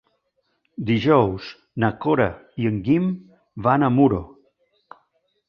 Dijous na Cora i en Guim van a Muro.